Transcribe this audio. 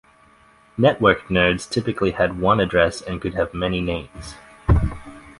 Network nodes typically had one address and could have many names.